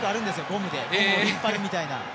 ゴムを引っ張るみたいな。